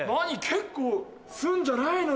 結構するんじゃないの？